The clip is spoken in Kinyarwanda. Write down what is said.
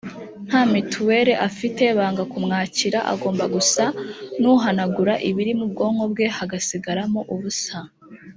nta mutuel afite banga kumwakira agomba gusa n uhanagura ibiri mu bwonko bwe hagasigaramo ubusa